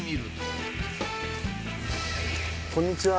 こんにちは。